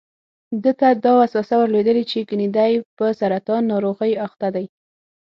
ده ته دا وسوسه ور لوېدلې چې ګني دی په سرطان ناروغۍ اخته دی.